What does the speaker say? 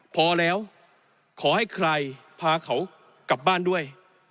พอแล้วขอให้ใครพาเขากลับบ้านด้วย